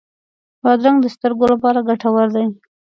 بادرنګ د سترګو لپاره ګټور دی.